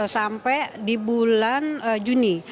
sampai di bulan juni